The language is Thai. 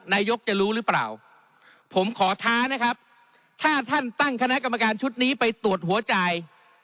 นายกจะรู้หรือเปล่าผมขอท้านะครับถ้าท่านตั้งคณะกรรมการชุดนี้ไปตรวจหัวจ่าย